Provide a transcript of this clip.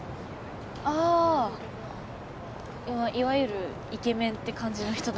ああいわゆるイケメンって感じの人だった。